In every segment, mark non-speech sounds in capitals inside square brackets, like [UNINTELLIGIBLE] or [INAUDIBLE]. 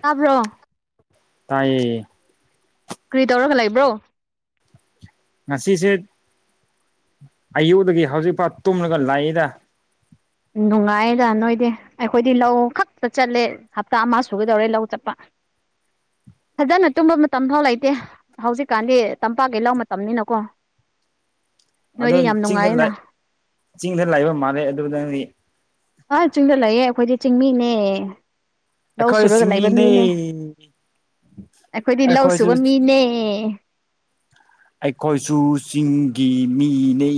ꯇꯥꯕ꯭ꯔꯣ ꯇꯥꯏ ꯀꯔꯤ ꯇꯧꯔꯒ ꯂꯩꯕ꯭ꯔꯣ ꯉꯁꯤꯁꯦ ꯑꯌꯨꯗꯒꯤ ꯍꯧꯖꯤꯛꯐꯥꯎ ꯇꯨꯝꯂꯒ ꯂꯥꯛꯏꯗ ꯅꯨꯡꯉꯥꯏꯗ ꯅꯣꯏꯗꯤ ꯑꯩꯈꯣꯏꯗꯤ ꯂꯧ ꯈꯛꯇ ꯆꯠꯂꯦ ꯍꯞꯇꯥ ꯑꯃ ꯁꯨꯒꯗꯧꯔꯦ ꯂꯧ ꯆꯠꯄ ꯐꯖꯅ ꯇꯨꯝꯕ ꯃꯇꯝ ꯐꯥꯎ ꯂꯩꯇꯦ ꯍꯧꯖꯤꯛꯀꯥꯟꯗꯤ ꯇꯝꯄꯥꯛ ꯀꯩ ꯂꯥꯎ ꯃꯇꯝꯅꯤꯅꯀꯣ ꯑꯗꯣ ꯅꯣꯏꯗꯤ ꯌꯥꯝ ꯆꯤꯡꯗ ꯅꯨꯡꯉꯥꯏꯌꯦꯅ ꯂꯩ ꯆꯤꯡꯗ ꯂꯥꯛꯕ ꯃꯥꯜꯂꯦ ꯑꯗꯨꯗꯪꯗꯤ ꯑ ꯆꯤꯡꯗ ꯂꯩꯌꯦꯦ ꯑꯩꯈꯣꯏꯗꯤ ꯆꯤꯡꯃꯤꯅꯦ ꯂꯧ ꯑꯩꯈꯣꯏ ꯁꯨꯔꯒ ꯂꯩꯕ ꯆꯤꯡꯃꯤꯅꯦ ꯃꯤꯅꯦ ꯑꯩꯈꯣꯏꯗꯤ ꯂꯧ ꯑꯩꯈꯣꯏꯁꯨ ꯁꯨꯕ ꯃꯤꯅꯦ ꯑꯩꯈꯣꯏꯁꯨ ꯆꯤꯡꯒꯤ ꯃꯤꯅ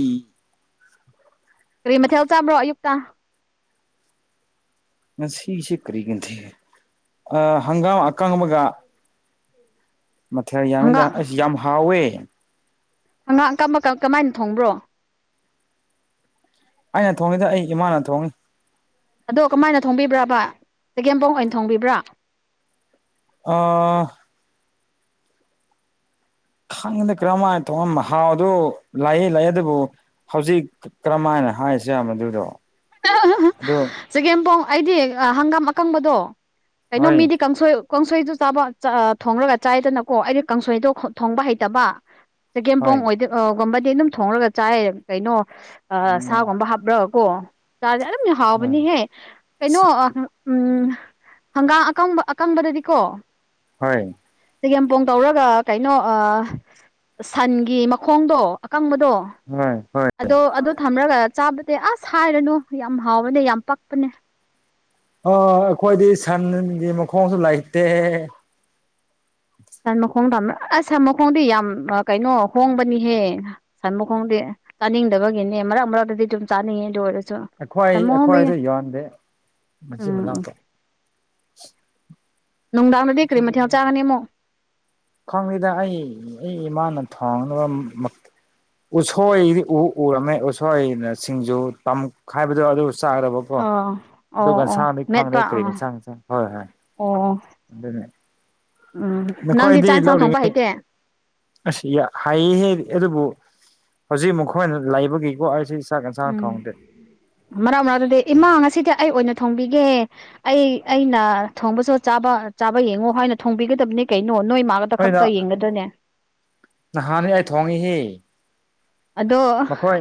ꯀꯔꯤ ꯃꯊꯦꯜ ꯆꯥꯕ꯭ꯔꯣ ꯑꯌꯨꯛꯇꯪ ꯉꯁ ꯀꯔꯤꯒꯤ ꯊ ꯍꯪꯒꯥꯝ ꯑꯀꯥꯡ ꯑꯃꯒ ꯃꯊꯦꯜ ꯌꯥꯝꯃꯤꯗ ꯍꯪꯒꯥꯝ ꯑꯩꯁ ꯌꯥꯝ ꯍꯥꯎꯋꯦ ꯍꯉꯥꯡꯀꯛ ꯃꯀꯛ ꯀꯃꯥꯏꯅ ꯊꯣꯡꯕ꯭ꯔꯣ ꯑꯩꯅ ꯊꯣꯡꯉꯤꯗ ꯑꯩ ꯏꯃꯥꯅ ꯊꯣꯡꯉꯤ ꯑꯗꯣ ꯀꯃꯥꯏꯅ ꯊꯣꯡꯕꯤꯕ꯭ꯔꯥꯕ ꯆꯒꯦꯝ ꯄꯥꯎ ꯑꯣꯏꯅ ꯊꯣꯡꯕꯤꯕ꯭ꯔꯥ ꯑ ꯈꯪꯉꯗ ꯀꯔꯝꯃꯅ ꯊꯣꯡꯉꯝꯕ ꯃꯍꯥꯎꯗ ꯂꯥꯛꯑ ꯂꯥꯛꯏꯦ ꯑꯗꯨꯕꯨ ꯍꯧꯖꯤꯛ ꯀꯔꯝꯍꯥꯏꯅ ꯍꯥꯏꯔꯁꯨ ꯌꯥꯝ ꯃꯗꯨꯗꯣ ꯑꯗꯨ ꯆꯒꯦꯝꯄꯣꯡ ꯑꯩꯗꯤ ꯍꯪꯒꯥꯝ ꯑꯀꯪꯕꯗꯣ ꯀꯩꯅꯣ ꯍꯣꯏ ꯃꯤꯗꯤ ꯀꯥꯡꯁꯣꯏ ꯀꯥꯡꯁꯣꯏꯗꯨ ꯆꯥꯕ ꯊꯣꯡꯂꯒ ꯆꯥꯏꯗꯅꯀꯣ ꯑꯩꯗꯤ ꯀꯥꯡꯁꯣꯏꯗꯣ ꯊꯣꯡꯕ ꯍꯩꯇꯕ ꯍꯣꯏ ꯆꯒꯦꯝꯄꯣꯡ ꯑꯣꯏꯗꯒꯨꯝꯕꯗꯤ ꯑꯗꯨꯝ ꯊꯣꯡꯡꯂꯒ ꯆꯥꯏ ꯀꯩꯅꯣ ꯎꯝ ꯁꯥꯒꯨꯝꯕ ꯍꯥꯞꯄ꯭ꯔ ꯑꯣ ꯆꯥꯔꯁꯦ ꯑꯗꯨꯝꯅ ꯍꯣꯏ ꯍꯥꯎꯕꯅꯤꯍꯦ ꯀꯩꯅꯣ ꯎꯝ ꯍꯪꯒꯥꯝ ꯑꯀꯪꯕ ꯑꯀꯪꯕꯗꯗꯤꯀꯣ ꯍ ꯆꯒꯦꯝꯄꯣꯡ ꯇꯧꯔꯒ ꯀꯩꯅꯣ ꯁꯟꯒꯤ ꯃꯈꯣꯡꯗꯣ ꯑꯀꯪꯕꯗꯣ ꯍꯣꯏ ꯍꯣꯏ ꯑꯗꯣ ꯑꯗꯣ ꯊꯝꯂꯒ ꯆꯥꯕꯗꯤ ꯑꯁ ꯍꯥꯏꯔꯅꯨ ꯌꯥꯝ ꯍꯥꯎꯕꯅꯦ ꯌꯥꯝ ꯄꯛꯄꯅꯦ ꯑꯣ ꯑꯩꯈꯣꯏꯗꯤ ꯁꯟꯒꯤ ꯃꯈꯣꯡꯁꯨ ꯂꯩꯇꯦ ꯁꯟ ꯃꯈꯣꯡ ꯊꯝ ꯑꯁ ꯁꯟ ꯃꯈꯣꯡꯗꯤ ꯌꯥꯝ ꯀꯩꯅꯣ ꯍꯣꯡꯕꯅꯤꯍꯦ ꯁꯟ ꯃꯈꯣꯡꯗꯤ ꯆꯥꯅꯤꯡꯗꯕꯒꯤꯅꯦ ꯃꯔꯛ ꯃꯔꯛꯇꯗꯤ ꯑꯗꯨꯝ ꯆꯥꯅꯤꯡꯉꯦ ꯑꯗꯨ ꯑꯣꯏꯔꯁꯨ ꯁꯟ ꯑꯩꯈ꯭ꯣꯏꯏ ꯃꯈꯣꯡꯗꯤ ꯑꯩꯈ꯭ꯋꯥꯗ ꯌꯣꯟꯗꯦ ꯃꯆꯤꯟ ꯎꯝ ꯃꯅꯥꯎꯛꯇꯣ ꯅꯨꯡꯗꯥꯡꯗꯗꯤ ꯀꯔꯤ ꯃꯊꯦꯜ ꯆꯥꯒꯅꯤꯃꯣ ꯈ꯭ꯋꯥꯡꯕꯤꯗ ꯑꯩ ꯑꯩ ꯏꯃꯥꯅ ꯊꯣꯡꯅꯕ ꯎꯁꯣꯏꯗꯤ ꯎ ꯎꯔꯝꯃꯦ ꯎꯁꯣꯏꯅ ꯁꯤꯡꯖ ꯇ ꯍꯥꯏꯕꯗꯣ ꯑꯗꯨ ꯆꯥꯗꯕ ꯀꯣ ꯑꯥ ꯑꯣ ꯑꯗꯨꯒ ꯑꯣ ꯉꯁꯥꯡꯗꯤꯩ ꯐꯪꯗꯦ ꯃꯦꯠꯄ ꯀꯔꯤ ꯑꯥ ꯉꯟꯁꯥꯡ ꯉꯁꯥꯡ ꯍꯣꯏ ꯍꯣꯏ ꯑꯣ ꯑꯗꯨꯅꯦ ꯎꯝ ꯅꯪꯗꯤ ꯅꯈꯣꯏꯗꯤ ꯆꯥꯡ ꯆꯥꯡ ꯊꯣꯡꯕ ꯂꯧꯔꯤꯉꯩ ꯍꯩꯇꯦ ꯑꯁ ꯍꯥꯏꯌꯦ ꯍꯥꯏ ꯑꯗꯨꯕꯨ ꯍꯧꯖꯤꯛ ꯃꯈꯣꯏꯅ ꯂꯩꯕꯒꯤꯀꯣ ꯑꯩꯁꯤ ꯆꯥꯛ ꯌꯦꯟꯁꯥꯡ ꯎꯝ ꯊꯣꯡꯗꯦ ꯃꯔꯛ ꯃꯔꯥꯡ ꯑꯗꯨꯗꯤ ꯏꯃꯥ ꯉꯁꯤꯗꯤ ꯑꯩ ꯑꯣꯏꯅ ꯊꯣꯡꯕꯤꯒꯦ ꯑꯩ ꯑꯩꯅ ꯊꯣꯡꯕꯁꯨ ꯆꯥꯕ ꯆꯥꯕ ꯌꯦꯡꯉꯣ ꯍꯥꯏꯅ ꯊꯣꯡꯕꯤꯒꯗꯕꯅꯤ ꯀꯩꯅꯣ ꯅꯣꯏ ꯃꯥ ꯑꯇ ꯍꯣꯏꯗ ꯈꯛꯇ ꯌꯦꯡꯒꯗꯣꯏꯅꯦ ꯅꯍꯥꯟꯅꯤ ꯑꯩ ꯊꯣꯡꯉꯁꯤ ꯑꯗꯣ ꯃꯈꯣꯏ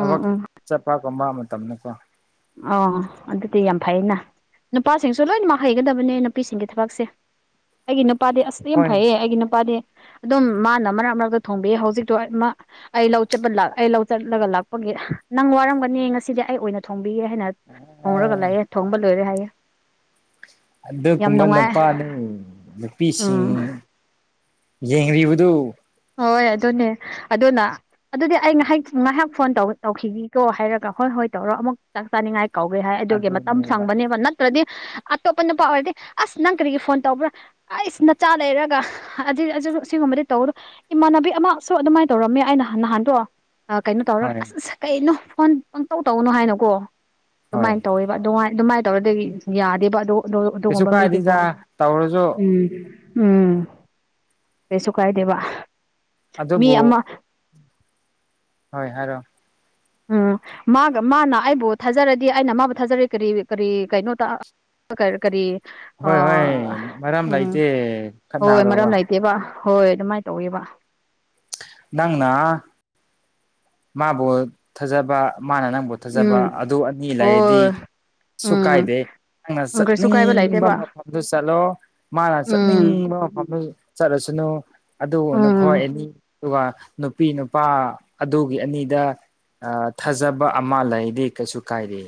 ꯎꯝ ꯎꯝ ꯆꯄ ꯀꯣꯕꯥ ꯃꯇꯝꯅꯀꯣ ꯑꯣ ꯑꯗꯨꯗꯤ ꯌꯥꯝ ꯐꯩꯅ ꯅꯨꯄꯥꯁꯤꯡꯁꯨ ꯂꯣꯏꯅꯃꯛ ꯍꯩꯒꯗꯕꯅꯦ ꯅꯨꯄꯤꯁꯤꯡꯒꯤ ꯊꯕꯛꯁꯦ ꯑꯩꯒꯤ ꯅꯨꯄꯥꯗꯤ ꯑꯁ ꯌꯥꯝ ꯍꯣꯏ ꯐꯩꯌꯦ ꯑꯩꯒꯤ ꯅꯨꯄꯥꯗꯤ ꯑꯗꯨꯝ ꯃꯥꯅ ꯃꯔꯛ ꯃꯔꯛꯇ ꯊꯣꯡꯕꯤ ꯍꯧꯖꯤꯛꯇꯣ ꯑꯩ ꯂꯧ ꯆꯠꯄ ꯑꯩ ꯂꯧ ꯆꯠꯂꯒ ꯂꯥꯛꯄꯒꯤ ꯅꯪ ꯋꯥꯔꯝꯒꯅꯤ ꯉꯁꯤꯗꯤ ꯑꯩ ꯑꯣꯏꯅ ꯊꯣꯡꯕꯤꯌꯦꯦ ꯍꯥꯏꯅ ꯊꯣꯡꯔꯒ ꯂꯥꯛꯑꯦ ꯊꯣꯡꯕ ꯂꯣꯏꯔꯦ ꯍꯥꯏꯌꯦꯦ ꯑꯗꯨꯒꯨꯝꯕ ꯅꯨꯄꯥꯅꯤ ꯅꯨꯄꯤꯁꯤꯡ ꯎꯝ ꯌꯦꯡꯔꯤꯕꯗꯨ ꯍꯣꯏ ꯑꯗꯨꯅꯦ ꯑꯗꯨꯅ ꯑꯗꯨꯗꯤ ꯑꯩ ꯉꯥꯏꯍꯥꯛ ꯉꯥꯏꯍꯥꯛ ꯐꯣꯟ ꯇꯧꯈꯤꯒꯀꯣ ꯍꯥꯏꯔꯒ ꯍꯣꯏ ꯍꯣꯏ ꯇꯧꯔꯣ ꯑꯃꯨꯛ ꯆꯥꯛ ꯆꯥꯅꯤꯡꯉꯥꯏ ꯀꯧꯒꯦ ꯍꯥꯏ ꯑꯗꯨꯒꯤ ꯃꯇꯝ ꯑꯗꯨꯅꯦꯕ ꯁꯪꯕꯅꯦꯕ ꯅꯠꯇ꯭ꯔꯗꯤ ꯑꯇꯣꯞꯄ ꯅꯨꯄꯥ ꯑꯣꯏꯔꯗꯤ ꯑꯁ ꯅꯪ ꯀꯔꯤꯒꯤ ꯐꯣꯟ ꯇꯧꯕ꯭ꯔꯥ ꯑꯩꯁ ꯅꯆꯥ ꯂꯩꯔꯒ ꯑꯁꯤꯒꯨꯝꯕꯗꯤ ꯇꯧꯔꯣ ꯏꯃꯥꯟꯅꯕꯤ ꯑꯃꯁꯨ ꯑꯗꯨꯃꯥꯏꯅ ꯇꯧꯔꯝꯃꯦ ꯑꯩꯅ ꯅꯍꯥꯟꯗꯣ ꯀꯩꯅꯣ ꯇꯧꯔꯒ ꯍꯣꯏ ꯑꯁ ꯑꯁ ꯀꯩꯅꯣ ꯐꯣꯟ ꯄꯪꯇꯧ ꯇꯧꯅꯣ ꯍꯥꯏꯅꯣꯀꯣ ꯍꯣꯏ ꯑꯗꯨꯃꯥꯏꯅ ꯇꯧꯋꯦꯕ ꯑꯗꯨꯥꯏ ꯑꯗꯨꯃꯥꯏꯅ ꯇꯧꯔꯗꯤ ꯌꯥꯗꯦꯕ ꯑꯗꯨ ꯀꯩꯁꯨ ꯑꯗꯨꯒꯨꯝꯕ ꯃꯤꯗꯤꯀꯣ ꯀꯥꯏꯗꯦꯗ ꯇꯧꯔꯁꯨ ꯎꯝ ꯎꯝ ꯀꯩꯁꯨ ꯀꯥꯏꯗꯦꯕ ꯃꯤ ꯑꯗꯨꯕꯨ ꯑꯃ ꯍꯣꯏ ꯍꯥꯏꯔꯣ ꯎꯝ ꯃꯥꯒ ꯃꯥꯅ ꯑꯩꯕꯨ ꯊꯥꯖꯔꯗꯤ ꯑꯩꯅ ꯃꯥꯕꯨ ꯊꯥꯖꯔꯤ ꯀꯔꯤ ꯀꯔꯤ ꯀꯩꯅꯣ ꯇ ꯀꯔꯤ ꯑ ꯍꯣꯏ ꯍꯣꯏ ꯃꯔꯝ ꯎꯝ ꯂꯩꯇꯦ ꯍꯣꯏ ꯃꯔꯝ ꯈꯠꯅꯒꯗꯧꯕ ꯅꯠꯇꯦꯕ ꯍꯣꯏ ꯑꯗꯨꯃꯥꯏꯅ ꯇꯧꯋꯦꯕ ꯅꯪꯅ ꯃꯕꯨ ꯊꯥꯖꯕ ꯃꯅ ꯅꯪꯕ ꯐꯖꯕ ꯎꯝ ꯑꯗꯨ ꯑꯅꯤ ꯂꯩꯔꯗꯤ ꯍꯣꯏ ꯁꯨ ꯎꯝ ꯀꯥꯏꯗꯦ ꯅꯪꯅ ꯎꯝ ꯀꯩꯁꯨ ꯀꯥꯏꯕ ꯆꯠꯅꯤꯡꯕ ꯂꯩꯇꯦꯕ ꯃꯐꯝꯗꯨ ꯆꯠꯂꯣ ꯃꯥꯅ ꯎꯝ ꯆꯠꯅꯤꯡꯕ ꯃꯐꯝꯗꯨ ꯆꯠꯂꯁꯅꯨ ꯑꯗꯨ ꯅꯈꯣ ꯎꯝ ꯑꯦꯅꯤ ꯑꯗꯨꯒ ꯅꯨꯄꯤ ꯅꯨꯄꯥ ꯑꯗꯨꯒꯤ ꯑꯅꯤꯗ ꯑ ꯊꯥꯖꯕ ꯑꯃ ꯂꯩꯗꯤ ꯀꯩꯁꯨ ꯀꯥꯏꯗꯦ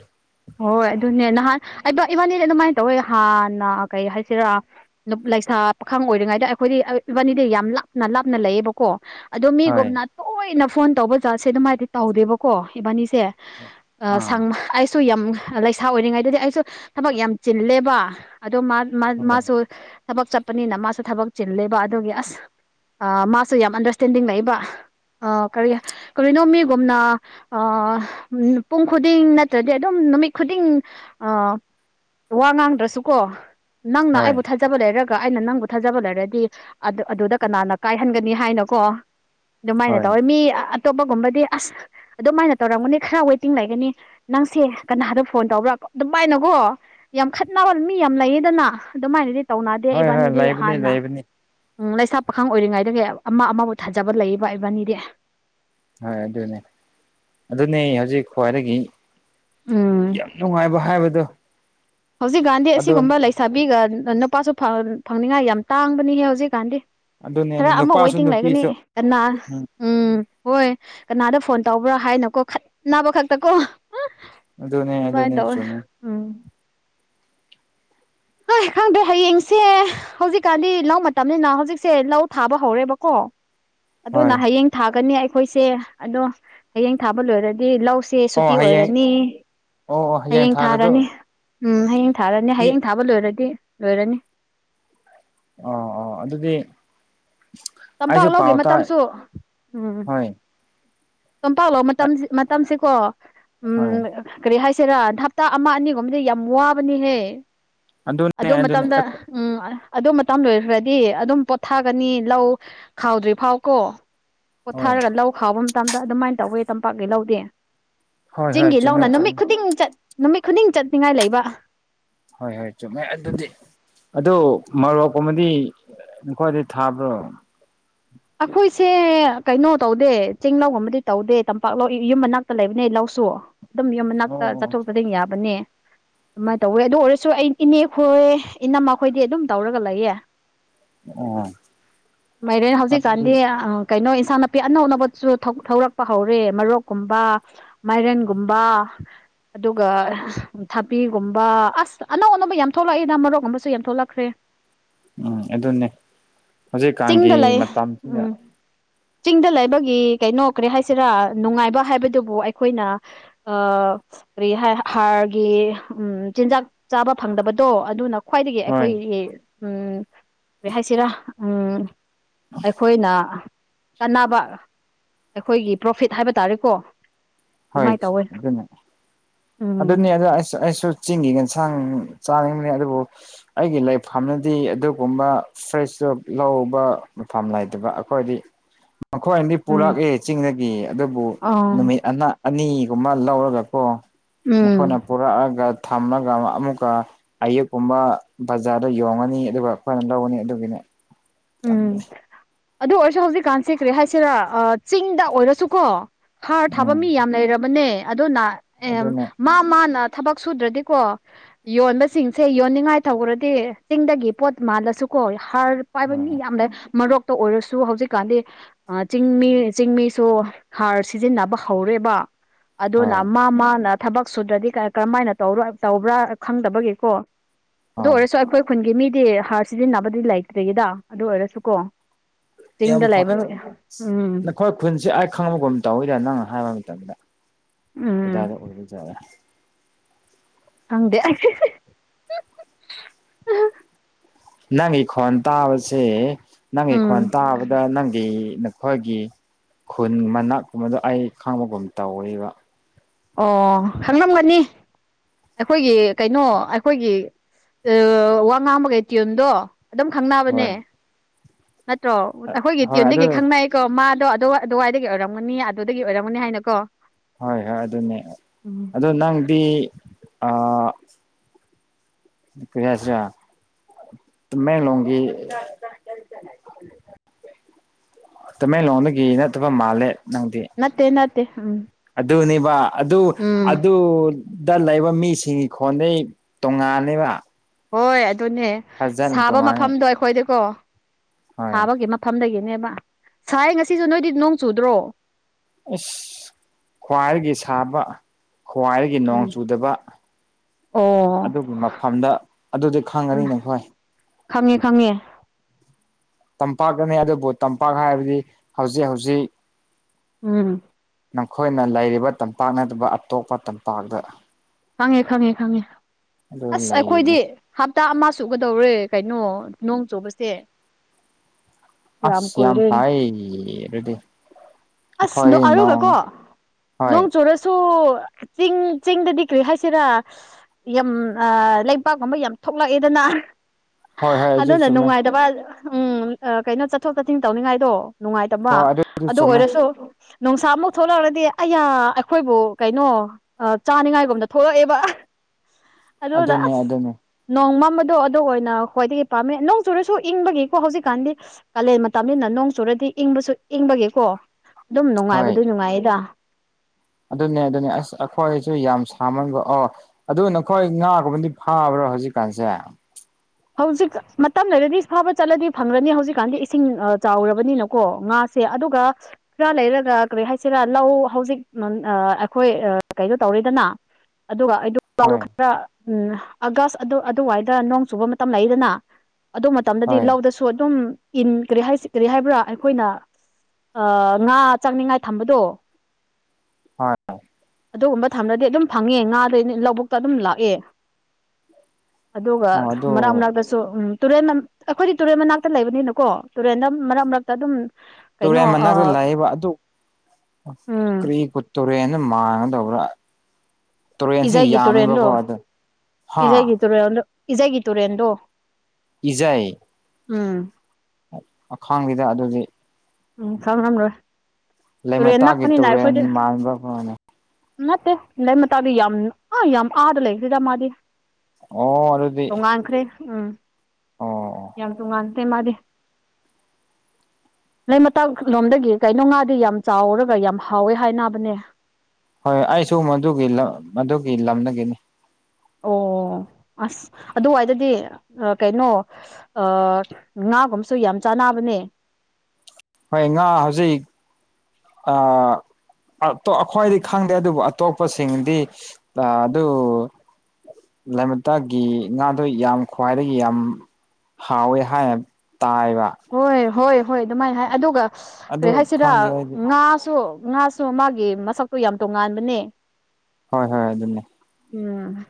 ꯍꯣꯏ ꯑꯗꯨꯅꯦ ꯅꯍꯥꯟ ꯑꯩꯕ ꯏꯕꯥꯅꯦꯅꯦ ꯑꯗꯨꯃꯥꯏꯅ ꯇꯧꯋꯦ ꯍꯥꯟꯅ ꯀꯩ ꯍꯥꯏꯁꯤꯔꯥ ꯂꯩꯁꯥ ꯄꯥꯈꯪ ꯑꯣꯏꯔꯤꯉꯩꯗ ꯑꯩꯈꯣꯏꯗꯤ ꯏꯕꯥꯅꯤꯗꯤ ꯌꯥꯝ ꯂꯥꯞꯅ ꯂꯥꯞꯅ ꯂꯩꯌꯦꯕꯀꯣ ꯑꯗꯣ ꯍꯣꯏ ꯃꯤꯒꯨꯝꯅ ꯇꯣꯏꯅ ꯐꯣꯟ ꯇꯧꯕ ꯖꯥꯠꯁꯦ ꯑꯗꯨꯃꯥꯏꯗꯤ ꯇꯧꯗꯦꯕꯀꯣ ꯏꯕꯥꯅꯤꯁꯦ ꯑꯥ ꯁꯦꯝ ꯑꯥꯏꯁ꯫ ꯁꯨ ꯌꯥꯝ ꯂꯩꯁꯥ ꯑꯣꯏꯔꯤꯉꯥꯏꯗꯗꯤ ꯑꯩꯁꯨ ꯊꯕꯛ ꯌꯥꯝ ꯆꯤꯜꯂꯦꯕ ꯑꯗꯣ ꯃꯥ ꯍꯣꯏ ꯃꯥꯁꯨ ꯊꯕꯛ ꯆꯠꯄꯅꯤꯅ ꯃꯥꯁꯨ ꯊꯕꯛ ꯆꯤꯜꯂꯦꯕ ꯑꯗꯨꯒꯤ ꯑꯁ ꯑ ꯃꯥꯁꯨ ꯌꯥꯝ ꯑꯟꯗꯔꯁꯇꯦꯟꯗꯤꯡ ꯂꯩꯕ ꯑ ꯀꯔꯤ ꯀꯔꯤꯅꯣ ꯃꯤꯒꯨꯝꯅ ꯑ ꯄꯨꯡ ꯈꯨꯗꯤꯡ ꯗꯤ ꯑꯗꯨꯝ ꯅꯨꯃꯤꯠ ꯈꯨꯗꯤꯡ ꯋꯥ ꯉꯥꯡꯗ꯭ꯔꯁꯨꯀꯣ ꯅꯪꯅ ꯍꯣꯏ ꯑꯩꯕꯨ ꯊꯥꯖꯦ ꯊꯥꯖꯕ ꯂꯩꯔꯒ ꯑꯩꯅ ꯅꯪꯕꯨ ꯊꯥꯖꯕ ꯂꯩꯔꯗꯤ ꯑꯗꯨ ꯑꯗꯨꯗ ꯀꯅꯥꯅ ꯀꯥꯏꯍꯟꯒꯅꯤ ꯍꯥꯏꯅꯀꯣ ꯑꯗꯨꯃꯥꯏꯅ ꯍꯣꯏ ꯇꯧꯋꯦ ꯃꯤ ꯑꯇꯣꯞꯄꯒꯨꯝꯕꯗꯤ ꯑꯁ ꯑꯗꯨꯃꯥꯏꯅ ꯇꯧꯔꯝꯒꯅꯤ ꯈꯔ ꯋꯦꯇꯤꯡ ꯂꯩꯒꯅꯤ ꯅꯪꯁꯦ ꯀꯅꯥꯗꯣ ꯐꯣꯟ ꯇꯧꯕ꯭ꯔꯥ ꯑꯗꯨꯝꯃꯥꯏꯅꯣꯀꯣ ꯌꯥꯝ ꯈꯠꯅꯕ ꯃꯤ ꯌꯥꯝ ꯂꯩꯌꯦꯗꯅ ꯑꯗꯨꯃꯥꯏꯅꯗꯤ ꯇꯧꯅꯗꯦ ꯍꯣꯏ ꯍꯣꯏ ꯏꯕꯥꯅꯤꯗꯤ ꯂꯩꯕꯅꯤ ꯍꯥꯟꯅ ꯂꯩꯕꯅꯤ ꯎꯝ ꯂꯩꯁꯥ ꯄꯥꯈꯥꯡ ꯑꯣꯏꯔꯤꯉꯩꯗꯒꯤ ꯑꯃ ꯑꯃꯕꯨ ꯊꯥꯖꯕ ꯂꯩꯌꯦꯕ ꯏꯕꯥꯅꯤꯗꯤ ꯍꯣꯏ ꯑꯗꯨꯅꯦ ꯑꯗꯨꯅꯦ ꯍꯧꯖꯤꯛ ꯈ꯭ꯋꯥꯏꯗꯒꯤ ꯎꯝ ꯌꯥꯝ ꯅꯨꯡꯉꯥꯏꯕ ꯍꯥꯏꯕꯗꯣ ꯍꯧꯖꯤꯛꯀꯥꯟꯗꯤ ꯑꯗꯨ ꯑꯁꯤꯒꯨꯝꯕ ꯂꯩꯁꯥꯕꯤꯒ ꯅꯨꯄꯥꯁꯨ ꯐꯪꯅꯤꯡꯉꯥꯏ ꯌꯥꯝ ꯇꯥꯡꯕꯅꯤꯍꯦ ꯍꯧꯖꯤꯛꯀꯥꯟꯗꯤ ꯑꯗꯨꯅꯦ ꯈꯔ ꯑꯃ ꯑꯣꯏ ꯅꯨꯄꯥꯁꯨ ꯇꯤꯡꯡꯂꯒꯅꯤ ꯅꯨꯄꯤꯁꯨ ꯀꯅꯥ ꯎꯝ ꯍꯣꯏ ꯀꯅꯥꯗ ꯐꯣꯟ ꯇꯧꯕ꯭ꯔꯥ ꯍꯥꯏꯅꯀꯣ ꯈꯠꯅꯕ ꯈꯛꯇ ꯀꯣ ꯑꯗꯨꯅꯦ ꯊꯃ ꯑꯗꯨꯅꯦ ꯇꯋꯥ ꯆꯨꯝꯃꯦ ꯎꯝ ꯀ ꯈꯪꯗ꯭ꯔꯦ ꯍꯌꯦꯡꯁꯦ ꯍꯧꯖꯤꯛꯀꯥꯟꯗꯤ ꯂꯧ ꯃꯇꯝꯅꯤꯅ ꯍꯧꯖꯤꯛꯁꯦ ꯂꯧ ꯊꯥꯕ ꯍꯧꯔꯦꯕꯀꯣ ꯍꯣꯏ ꯑꯗꯨꯅ ꯍꯌꯦꯡ ꯊꯥꯒꯅꯤ ꯑꯩꯈꯣꯏꯁꯦ ꯑꯗꯣ ꯍꯌꯦꯡ ꯊꯥꯕ ꯂꯣꯏꯔꯗꯤ ꯂꯧ ꯁꯦ ꯑꯣ ꯁꯨꯇꯤ ꯍꯌꯦꯡ ꯑꯣꯏꯔꯅꯤ ꯑꯣ ꯑꯣ ꯍꯌꯦꯡ ꯊꯥꯒꯗ꯭ꯔꯣ ꯊꯥꯔꯅꯤ ꯎꯝ ꯍꯌꯦꯡ ꯊꯥꯔꯅꯤ ꯑꯣ ꯍꯌꯦꯡ ꯊꯥꯕ ꯂꯣꯏꯔꯗꯤ ꯂꯣꯏꯔꯅꯤ ꯑꯣ ꯑꯣ ꯑꯗꯨꯗꯤ ꯇꯝꯄꯥꯛ ꯑꯩꯁꯨ ꯂꯧꯒꯤ ꯄꯥꯎ ꯇꯥꯏ ꯃꯇꯝꯁꯨ ꯍꯣꯏ ꯌꯣꯝꯄꯥꯛꯥꯛꯂꯣꯑꯣ ꯃꯇꯝ ꯃꯇꯝꯁꯤꯀꯣ ꯍꯣꯏ ꯎꯝ ꯀꯔꯤ ꯍꯥꯏꯁꯤꯔꯥ ꯍꯞꯇꯥ ꯑꯃ ꯑꯅꯤꯒꯨꯝꯕꯗꯤ ꯌꯥꯝ ꯋꯥꯕꯅꯤꯍꯦ ꯑꯗꯨꯅꯦ ꯑꯗꯨ ꯑꯗꯨꯅꯦ ꯃꯇꯝꯗ ꯎꯝ ꯑꯗꯨ ꯃꯇꯝ ꯂꯣꯏꯈ꯭ꯔꯗꯤ ꯑꯗꯨꯝ ꯄꯣꯊꯥꯒꯅꯤ ꯂꯧ ꯈꯥꯎꯗ꯭ꯔꯤ ꯐꯥꯎ ꯀꯣ ꯍꯣꯏ ꯄꯣꯊꯥꯔꯒ ꯂꯧ ꯈꯥꯎꯕ ꯃꯇꯝꯗ ꯑꯗꯨꯃꯥꯏꯅ ꯇꯧꯕꯋꯦ ꯇꯝꯄꯥꯛꯀꯤ ꯂꯧꯗꯦ ꯍꯣꯏ ꯍꯣꯏ ꯆꯤꯡꯒꯤ ꯆꯨꯝꯃꯦ ꯂꯧꯅ ꯅꯨꯃꯤꯠ ꯆꯨꯝꯃꯦ ꯈꯨꯗꯤꯡ ꯆꯠ ꯅꯨꯃꯤꯠ ꯈꯨꯗꯤꯡ ꯆꯠꯅꯤꯡꯉꯥꯏ ꯂꯩꯕ ꯍꯣꯏ ꯍꯣꯏ ꯆꯨꯝꯃꯦ ꯑꯗꯨꯗꯤ ꯑꯗꯨ ꯃꯣꯔꯣꯛꯀꯨꯝꯕꯗꯤ ꯑꯩꯣꯏꯗꯤ ꯊꯥꯕ꯭ꯔꯣ ꯑꯩꯈꯣꯏꯁꯦ ꯀꯩꯅꯣ ꯇꯧꯗꯦ ꯆꯤꯡ ꯂꯧꯒ ꯑꯃꯗꯤꯗꯤ ꯇꯧꯗꯦ ꯇꯝꯄꯥꯛ ꯂꯧ ꯌꯨꯝ ꯃꯅꯥꯛꯇ ꯂꯩꯕꯅꯦ ꯂꯧꯁꯨ ꯑꯗꯨꯝ ꯌꯨꯝ ꯑꯣ ꯃꯅꯥꯛꯇ ꯑꯣ ꯆꯠꯊꯣꯛ ꯆꯠꯗ ꯌꯥꯕꯅꯦ ꯑꯗꯨꯃꯥꯏꯅ ꯇꯧꯋꯦ ꯑꯗꯨ ꯑꯣꯏꯔꯁꯨ ꯑꯩ ꯏꯅꯦꯈꯣꯏ ꯏꯅꯝꯃꯈꯣꯏꯗꯤ ꯑꯗꯨꯝ ꯇꯧꯔꯒ ꯂꯩꯌꯦꯦ ꯑꯣ ꯃꯥꯏꯔꯦꯟ ꯍꯧꯖꯤꯛ ꯑꯗꯨꯗꯤ ꯀꯩꯅꯣ ꯏꯟꯥ ꯅꯥꯄꯤ ꯑꯅꯧ ꯑꯅꯧꯕꯁꯨ ꯊꯧꯔꯛꯄ ꯍꯧꯔꯦ ꯃꯔꯣꯛꯀꯨꯝꯕ ꯃꯥꯏꯔꯟꯒꯨꯝꯕ ꯑꯗꯨꯒ ꯊꯥꯕꯤꯒꯨꯝꯕ ꯑꯁ ꯑꯅꯧ ꯑꯅꯧꯕ ꯌꯥꯝ ꯊꯣꯛꯂꯛꯏꯗ ꯃꯔꯣꯛꯀꯨꯝꯕꯁꯨ ꯌꯥꯝ ꯊꯣꯛꯂꯛꯈ꯭ꯔꯦ [INAUDIBLE] ꯎꯝ ꯑꯗꯨꯅꯦ ꯍꯧꯖꯤꯛꯀꯥꯟꯒꯤ ꯆꯤꯡꯗ ꯂꯩ ꯃꯇꯝ ꯎꯝ ꯆꯤꯡꯗ ꯂꯩꯕꯒꯤ ꯀꯩꯅꯣ ꯀ꯭ꯔꯦ ꯍꯥꯏꯁꯤꯔꯥ ꯅꯨꯡꯉꯥꯏꯕ ꯍꯥꯏꯕꯗꯨꯕꯨ ꯑꯩꯈꯣꯏꯅ ꯑꯥ ꯀꯔꯤ ꯍꯥꯏ ꯍꯥꯔꯒꯤ ꯎ ꯆꯤꯟꯖꯥꯛ ꯆꯥꯕ ꯐꯪꯗꯕꯗꯣ ꯑꯗꯨꯅ ꯈ꯭ꯋꯥꯏꯗꯒꯤ ꯍꯣꯏ ꯑꯩꯈꯣꯏꯒꯤ ꯀꯔꯤ ꯍꯥꯏꯁꯤꯔꯥ ꯑꯩꯈꯣꯏꯅ ꯀꯥꯟꯅꯕ ꯑꯩꯈꯣꯏꯒꯤ ꯄ꯭ꯔꯣꯐꯤꯠ ꯍꯥꯏꯕ ꯇꯥꯔꯦꯀꯣ ꯍꯣꯏ ꯑꯗꯨꯃꯥꯏ ꯇꯧꯋꯦ ꯑꯗꯨꯅ‌ꯦ ꯎꯝ ꯑꯗꯨꯅꯤ ꯑꯗꯨ ꯑꯩ ꯑꯩꯁꯨ ꯆꯤꯡꯒꯤ ꯌꯦꯟꯁꯥꯡ ꯆꯥꯅꯤꯡꯕꯅꯤ ꯑꯗꯨꯕꯨ ꯑꯩꯒꯤ ꯂꯥꯏꯛꯐꯝꯥꯅꯗꯤ ꯑꯗꯨꯒꯨꯝꯕ ꯐ꯭ꯔꯦꯁꯁꯨ ꯂꯧꯕ ꯃꯐꯝ ꯂꯩꯇꯕ ꯑꯩꯈꯣꯏꯗꯤ ꯑ ꯃꯈꯣꯏ ꯑꯅꯗꯤ ꯄꯨꯔꯛꯏꯦ ꯆꯤꯡꯗꯒꯤ ꯑꯗꯨꯕꯨ ꯑꯥ ꯅꯨꯃꯤꯠ ꯑꯅꯥ ꯑꯅꯤꯒꯨꯝꯕ ꯂꯧꯔꯒꯀꯣ ꯎꯝ ꯃꯈꯣꯏꯅ ꯄꯨꯔꯛꯑꯒ ꯊꯝꯃꯒ ꯑꯃꯨꯛꯀ ꯑꯌꯦꯛꯀꯨꯝꯕ ꯕꯖꯥꯔꯗ ꯌꯣꯡꯉꯅꯤ ꯑꯗꯨꯒ ꯑꯩꯈꯣꯏꯅ ꯂꯧꯒꯅꯤ ꯑꯗꯨꯒꯤꯅꯦ ꯎꯝ ꯊꯝꯃꯦ ꯑꯗꯨ ꯑꯣꯏꯔꯁꯨ ꯍꯧꯖꯤꯛꯀꯥꯟ ꯆꯦ ꯀꯔꯤ ꯍꯥꯏꯁꯤꯔꯥ ꯆꯤꯡꯗ ꯑꯣꯏꯔꯁꯨꯀꯣ ꯍꯥꯔ ꯊꯥꯕ ꯎꯝ ꯃꯤ ꯌꯥꯝ ꯂꯩꯔꯕꯅꯦ ꯑꯗꯨꯅ ꯑ ꯑꯗꯨꯅ ꯃꯥ ꯃꯥꯅ ꯊꯕꯛ ꯁꯨꯗ꯭ꯔꯗꯤꯀꯣ ꯌꯣꯟꯕꯁꯤꯡꯁꯦ ꯌꯣꯟꯅꯤꯡꯉꯥꯏ ꯊꯧꯈ꯭ꯔꯗꯤ ꯆꯤꯡꯗꯒꯤ ꯄꯣꯠ ꯃꯥꯜꯂꯁꯨꯀꯣ ꯍꯥꯔ ꯄꯥꯏꯕ ꯍꯣꯏ ꯃꯤ ꯌꯥꯝꯅ ꯃꯔꯣꯛꯇ ꯑꯣꯏꯔꯁꯨ ꯍꯧꯖꯤꯛꯀꯥꯟꯗꯤ ꯆꯤꯡꯃꯤ ꯆꯤꯡꯃꯤꯁꯨ ꯍꯥꯔ ꯁꯤꯖꯤꯟꯅꯕ ꯍꯧꯔꯦꯕ ꯑꯗꯨꯗ ꯍꯣꯏ ꯅꯃꯃ ꯅ ꯊꯕꯛ ꯁꯨꯗ꯭ꯔꯗꯤ ꯀꯔꯝꯃꯥꯏꯅ ꯇꯧꯕ꯭ꯔꯥ ꯈꯪꯗꯕꯒꯤꯦꯀꯣ ꯑꯗꯨ ꯍꯣꯏ ꯑꯣꯏꯔꯁꯨ ꯑꯩꯈꯣꯏ ꯈꯨꯟꯒꯤ ꯃꯤꯗꯤ ꯍꯥꯔ ꯁꯤꯖꯤꯟꯅꯕꯗꯤ ꯂꯩꯇ꯭ꯔꯤꯗ ꯑꯗꯨ ꯑꯣꯏꯔꯁꯨ ꯀꯣ ꯌꯥꯝ ꯆꯤꯡꯗ ꯐ ꯂꯩꯥꯕ ꯎꯝ ꯅꯈꯣꯏ ꯈꯨꯟꯁꯦ ꯑꯩ ꯈꯪꯕꯒꯨꯝ ꯇꯧꯋꯤꯗ ꯅꯪꯅ ꯍꯥꯏꯕ ꯃꯇꯝꯗ ꯎꯝ ꯀꯗꯥꯏꯗ ꯑꯣꯏꯕꯖꯥꯠꯔ ꯈꯪꯗꯦ [UNINTELLIGIBLE] ꯅꯪꯒꯤ ꯈꯣꯟ ꯇꯥꯕꯁꯦ ꯅꯪꯒꯤ ꯈꯣꯟ ꯎꯝ ꯇꯥꯕꯗ ꯅꯪꯒꯤ ꯑꯩꯈꯣꯏꯒꯤ ꯈꯨꯟ ꯃꯅꯥꯛꯀꯨꯝꯕꯗꯣ ꯑꯩ ꯈꯥꯡꯕꯒꯨꯝ ꯇꯧꯔꯤꯕ ꯑꯣ ꯈꯪꯂꯝꯒꯅꯤ ꯑꯩꯈꯣꯏꯒꯤ ꯀꯩꯅꯣ ꯑꯩꯈꯣꯏꯒꯤ ꯋꯥ ꯉꯥꯡꯕꯒꯤ ꯇ꯭ꯌꯨꯟꯗꯣ ꯑꯗꯨꯝ ꯈꯪꯅꯕꯅꯦ ꯍꯣꯏ ꯅꯠꯇ꯭ꯔꯣ ꯑꯩꯈꯣꯏꯒꯤ ꯍꯣꯏ ꯇ꯭ꯌꯟꯗꯒꯤ ꯑꯗꯨ ꯈꯪꯅꯩ ꯀꯣ ꯃꯥꯗꯣ ꯑꯗꯨ ꯑꯗꯨꯋꯥꯏꯗꯒꯤ ꯑꯣꯏꯔꯝꯒꯅꯤ ꯑꯗꯨꯗꯒꯤ ꯑꯣꯏꯔꯝꯒꯅꯤ ꯍꯥꯏꯅꯀꯣ ꯍꯣꯏ ꯍꯣꯏ ꯑꯗꯨꯅꯦ ꯎꯝ ꯑꯗꯣ ꯅꯪꯗꯤ ꯀꯩ ꯍꯥꯏꯁꯤꯔ ꯇꯥꯃꯦꯂꯣꯡꯒꯤ [UNINTELLIGIBLE] ꯇꯃꯦꯡꯂꯣꯡꯗꯒꯤ ꯅꯠꯇꯕ ꯃꯥꯂꯦ ꯅꯪꯗꯤ ꯅꯠꯇꯦ ꯅꯠꯇꯦ ꯎꯝ ꯑꯗꯨꯅꯦꯕ ꯑꯗꯨ ꯎꯝ ꯑꯗꯨꯗ ꯂꯩꯕ ꯃꯤꯁꯤꯡ ꯈꯣꯟꯗꯩ ꯇꯣꯉꯥꯂ‌ꯦꯕ ꯍꯣꯏ ꯑꯗꯨꯅꯦ ꯁꯥꯕ ꯇꯣꯉꯥꯟꯅꯤ ꯃꯐꯝꯗꯣ ꯑꯩꯈꯣꯏꯗꯤꯀꯣ ꯍꯣꯏ ꯁꯥꯕꯒꯤ ꯐꯝꯗꯒꯤꯅꯦꯕ ꯁꯥꯏ ꯉꯁꯤꯁꯨ ꯅꯣꯏꯗꯤ ꯅꯣꯡ ꯆꯨꯗ꯭ꯔꯣ ꯑꯁ ꯈ꯭ꯋꯥꯏꯗꯒꯤ ꯁꯥꯕ ꯈ꯭ꯋꯥꯏꯗꯒꯤ ꯅꯣꯡ ꯎꯝ ꯆꯨꯗꯕ ꯑꯣ ꯑꯗꯨꯒꯤ ꯃꯐꯝꯗ ꯑꯗꯨꯗꯤ ꯈꯪꯒꯅꯤ ꯎꯝ ꯅꯈꯣꯏ ꯈꯪꯉꯦ ꯈꯪꯉꯦ ꯇꯝꯄꯥꯛꯇꯅꯤ ꯑꯗꯨꯕꯨ ꯇꯝꯄꯥꯛ ꯍꯥꯏꯕꯗꯤ ꯍꯧꯖꯤꯛ ꯍꯧꯖꯤꯛ ꯎꯝ ꯅꯈꯣꯏꯅ ꯂꯩꯔꯤꯕ ꯇꯝꯄꯥꯛ ꯅꯠꯇꯕ ꯑꯇꯣꯞꯄ ꯇꯝꯄꯥꯛꯇ ꯈꯪꯉꯦ ꯈꯪꯉꯦ ꯈꯪꯉꯦ ꯑꯗꯨ ꯑꯁ ꯑꯩꯈꯣꯏꯗꯤ ꯂꯩꯔꯤꯕꯅꯦ ꯍꯞꯇꯥ ꯑꯃ ꯁꯨꯒꯗꯧꯔꯦ ꯀꯩꯅꯣ ꯅꯣꯡ ꯆꯨꯕꯁꯦ ꯑꯁ ꯌꯥꯝ ꯐꯩꯑꯦ ꯑꯗꯨꯗꯤ ꯑꯁ ꯅ ꯑꯩꯈꯣꯏ ꯑꯔꯨꯒ ꯅꯣꯡ ꯀꯣ ꯍꯣꯏ ꯅꯣꯡ ꯆꯨꯔꯁꯨ ꯆꯤꯡ ꯆꯤꯡꯗꯗꯤ ꯀꯔꯤ ꯍꯥꯏꯁꯤꯔꯥ ꯌꯥꯝ ꯂꯩꯕꯥꯛꯀꯨꯝꯕ ꯌꯥꯝ ꯊꯣꯛꯂꯛꯑꯦꯗꯅ ꯍꯣꯏ ꯍꯣꯏ ꯑꯗꯨ ꯑꯗꯨꯅ ꯆꯨꯝꯃꯦ ꯅꯨꯡꯉꯥꯏꯇꯕ ꯎꯝ ꯀꯩꯅꯣ ꯆꯠꯊꯣꯛ ꯆꯠꯁꯤꯟ ꯇꯧꯅꯤꯡꯉꯥꯏꯗꯣ ꯅꯨꯡꯉꯥꯏꯇꯕ ꯍꯣꯏ ꯑꯗꯨꯗꯨ ꯑꯗꯨ ꯆꯨꯝꯃꯦ ꯑꯣꯏꯔꯁꯨ ꯅꯨꯡꯁꯥ ꯑꯃꯨꯛ ꯊꯣꯛꯂꯛꯔꯗꯤ ꯑꯩꯌꯥ ꯑꯩꯈꯣꯏꯕꯨ ꯀꯩꯅꯣ ꯆꯥꯅꯤꯡꯉꯥꯏ ꯒꯨꯝꯅ ꯊꯣꯔꯛ ꯑꯦꯕ ꯑꯗꯨꯅ ꯑꯗꯨꯅꯦ ꯑꯁ ꯑꯗꯨꯅꯦ ꯅꯣꯡ ꯃꯝꯕꯗꯣ ꯑꯗꯨ ꯑꯣꯏꯅ ꯈ꯭ꯋꯥꯏꯗꯒꯤ ꯄꯥꯝꯃꯦ ꯅꯣꯡ ꯆꯨꯔꯁꯨ ꯏꯪꯕꯒꯤꯀꯣ ꯍꯧꯖꯤꯛꯀꯥꯟꯗꯤ ꯀꯥꯂꯦꯟ ꯃꯇꯝꯅꯤꯅ ꯅꯣꯡ ꯆꯨꯔꯗꯤ ꯏꯪꯕꯁꯨ ꯏꯪꯕꯒꯤꯀꯣ ꯑꯗꯨꯝ ꯍꯣꯏ ꯅꯨꯡꯉꯥꯏꯕꯗꯤ ꯅꯨꯡꯉꯥꯏꯌꯦꯗ ꯑꯗꯨꯅꯦ ꯑꯗꯨꯅꯦ ꯑꯁ ꯑꯩꯈꯣꯏꯁꯨ ꯌꯥꯝ ꯁꯥꯃꯟꯕ ꯑꯣ ꯑꯗꯨ ꯅꯈꯣꯏ ꯉꯥꯒꯨꯝꯕꯗꯤ ꯐꯥꯕ꯭ꯔꯥ ꯍꯧꯖꯤꯛꯀꯥꯟꯁꯦ ꯍꯧꯖꯤꯛ ꯃꯇꯝ ꯂꯩꯔꯗꯤ ꯐꯥꯕ ꯆꯠꯂꯗꯤ ꯐꯪꯒ꯭ꯔꯅꯤ ꯍꯧꯖꯤꯛꯀꯥꯟꯗꯤ ꯏꯁꯤꯡ ꯆꯥꯎꯔꯕꯅꯤꯅꯀꯣ ꯉꯥ ꯁꯦ ꯑꯗꯨꯒ ꯈꯔ ꯂꯩꯔꯒ ꯀꯔꯤ ꯍꯥꯏꯁꯤꯔꯥ ꯂꯧ ꯍꯧꯖꯤꯛ ꯑꯩꯈꯣꯏ ꯀꯩꯅꯣ ꯇꯧꯔꯤꯗꯅ ꯑꯗꯨꯒ ꯑꯩ ꯍꯣꯏ ꯈꯔ ꯎꯝ ꯑꯥꯒꯁ ꯑꯗꯨ ꯑꯗꯨꯋꯥꯏꯗ ꯅꯣꯡ ꯆꯨꯕ ꯇꯝ ꯂꯩꯗꯅ ꯑꯗꯨ ꯃꯇꯝꯗꯗꯤ ꯍꯣꯏ ꯂꯧꯗꯁꯨ ꯑꯗꯨꯝ ꯏꯟ ꯀꯔꯤ ꯍꯥꯏ ꯀꯔꯤ ꯍꯥꯏꯕ꯭ꯔꯥ ꯑꯩꯈꯣꯏꯅ ꯉꯥ ꯆꯡꯅꯤꯡꯉꯥꯏ ꯊꯝꯕꯗꯣ ꯍꯣꯏ ꯑꯗꯨꯒꯨꯝꯕ ꯊꯝ꯭ꯔꯗꯤ ꯑꯗꯨꯝ ꯐꯪꯉꯦ ꯉꯥꯗꯩ ꯂꯧꯕꯨꯛꯇ ꯑꯗꯨꯝ ꯂꯥꯛꯑꯦ ꯑꯗꯨꯒ ꯑꯣ ꯑꯗꯨ ꯃꯔꯛ ꯎꯝ ꯇꯨꯔꯦꯟ ꯑꯩꯈꯣꯏꯗꯤ ꯇꯨꯔꯦꯟ ꯃꯅꯥꯛꯇ ꯂꯩꯕꯅꯤꯅꯀꯣ ꯇꯨꯔꯦꯟꯗ ꯃꯔꯛ ꯃꯔꯛꯇ ꯑꯗꯨꯝ ꯀꯩꯅꯣ ꯇꯨꯔꯦꯟ ꯑ ꯃꯅꯥꯛꯇ ꯂꯥꯛꯏꯕ ꯑꯗꯨ ꯎꯝ ꯀꯔꯤ ꯄꯨ ꯇꯨꯔꯦꯟꯅ ꯃꯥꯡꯒꯗꯧꯕ꯭ꯔꯥ ꯇꯨꯔꯦꯟꯁꯦ ꯏꯖꯩꯒꯤ ꯌꯥꯝꯃꯦꯕꯀꯣ ꯑꯗ ꯍꯥ ꯇꯨꯔꯦꯜꯗꯨ ꯏꯖꯩꯒꯤ ꯇꯨꯔꯦꯟꯗꯣ ꯏꯖꯥꯏ ꯎꯝ ꯑꯈꯥꯡꯗꯦꯗ ꯑꯗꯨꯗꯤ ꯎꯝ ꯈꯪꯔꯝꯔꯣꯏ ꯂꯩꯃꯥꯇꯥꯛꯒꯤ ꯇꯨꯔꯦꯟ ꯃꯥꯟꯕ ꯐꯅꯦ ꯅꯠꯇꯦ ꯂꯩꯃꯇꯥꯛꯗꯤ ꯌꯥꯝ ꯑꯥ ꯌꯥꯝ ꯑꯥꯗ ꯂꯩꯈ꯭ꯔꯦꯗ ꯃꯥꯗꯤ ꯑꯣ ꯑꯗꯨꯗꯤ ꯇꯣꯉꯥꯟꯈ꯭ꯔꯦ ꯎꯝ ꯑꯣ ꯑꯣ ꯌꯥꯝ ꯇꯣꯡꯉꯥꯟꯗ꯭ꯔꯦ ꯃꯥꯗꯤ ꯂꯩꯃꯇꯥꯛ ꯂꯣꯝꯗꯒꯤ ꯀꯩꯅꯣ ꯉꯥꯗꯤ ꯌꯥꯝ ꯆꯥꯎꯔꯒ ꯌꯥꯝ ꯍꯥꯎꯋꯦ ꯍꯥꯏꯅꯥꯕꯅꯦ ꯍꯣꯏ ꯑꯩꯁꯨ ꯃꯗꯨꯒꯤ ꯂꯝ ꯃꯗꯨꯒꯤ ꯂꯝꯗꯒꯤꯅꯤ ꯑꯣ ꯑꯁ ꯑꯗꯨꯋꯥꯏꯗꯗꯤ ꯑꯥ ꯀꯩꯅꯣ ꯑ ꯉꯥꯒꯨꯝꯁꯨ ꯌꯥꯝ ꯆꯥꯅꯕꯅꯦ ꯍꯣꯏ ꯉꯥ ꯍꯧꯖꯤꯛ ꯑꯥ ꯑ ꯇꯣꯞ ꯑꯈꯣꯏꯗꯤ ꯈꯪꯗꯦ ꯑꯗꯨꯕꯨ ꯑꯇꯣꯞꯄꯁꯤꯡꯗꯤ ꯑꯥ ꯗꯨ ꯂꯥꯏꯃꯥꯇꯛꯒꯤ ꯉꯥꯗꯣ ꯌꯥꯝ ꯈ꯭ꯋꯥꯏꯗꯒꯤ ꯌꯥꯝ ꯍꯥꯎꯋꯦ ꯍꯥꯏꯅ ꯇꯥꯏꯕ ꯍꯣꯏ ꯍꯣꯏ ꯍꯣꯏ ꯑꯗꯨꯃꯥꯏꯅ ꯍꯥꯏ ꯑꯗꯨꯒ ꯑꯗꯨ ꯀꯔꯤ ꯍꯥꯏꯁꯤꯔ ꯈꯪꯗꯦ ꯑꯩꯗꯤ ꯉꯥꯁꯨ ꯉꯥ ꯁꯣ ꯃꯥꯒꯤ ꯃꯁꯛꯇꯣ ꯌꯥꯝ ꯇꯣꯡꯉꯥꯟꯕꯅꯦ ꯍꯣꯏ ꯍꯣꯏ ꯑꯗꯨꯅꯦ ꯎꯝ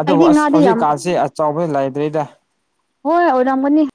ꯑꯗꯨꯕꯨ ꯑꯩꯗꯤ ꯑꯁ ꯉꯥꯗꯤ ꯌꯥꯝ ꯍꯧꯖꯤꯛꯀꯥꯟꯁ‌ꯦ ꯑꯆꯧꯕꯖꯤ ꯂꯩꯇ꯭ꯔ‌ꯦꯗ ꯍꯣꯏ ꯑꯣꯏꯔꯝꯒꯅꯤ